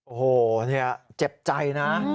โอ้โหเนี่ยเจ็บใจนะ